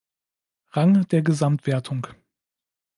Rang der Gesamtwertung.